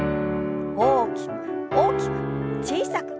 大きく大きく小さく。